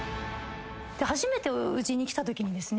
初めてうちに来たときにですね